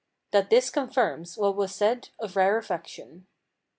That this confirms what was said of rarefaction.